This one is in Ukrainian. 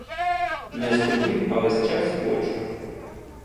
Не схотів, а весь час хочу.